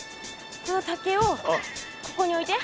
この竹をここにおいて。